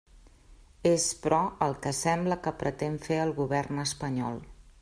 És, però, el que sembla que pretén fer el govern espanyol.